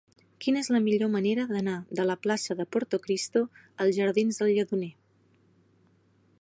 Quina és la millor manera d'anar de la plaça de Portocristo als jardins del Lledoner?